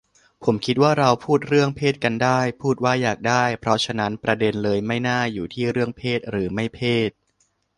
ผมคิดว่าเราพูดเรื่องเพศกันได้ พูดว่าอยากได้ เพราะฉะนั้นประเด็นเลยไม่น่าอยู่ที่เรื่องเพศหรือไม่เพศ